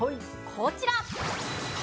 こちら！